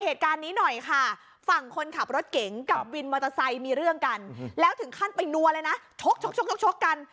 เหตุการณ์นี้หน่อยค่ะฝั่งคนขับรถเก๋งกับวินมอเตอร์ไซค์มีเรื่องกันแล้วถึงขั้นไปนัวเลยนะชกชกกัน